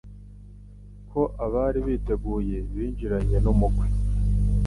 ko abari biteguye binjiranye n'umukwe